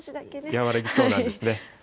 和らぎそうなんですね。